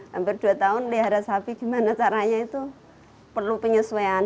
hampir dua tahun melihara sapi gimana caranya itu perlu penyesuaian